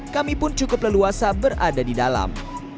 kami pun cukup leluasa berada di dalam